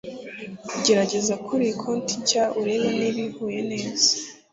gerageza kuriyi koti nshya urebe niba ihuye neza